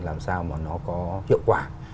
làm sao mà nó có hiệu quả